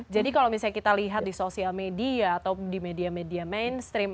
jadi kalau misalnya kita lihat di sosial media atau di media media mainstream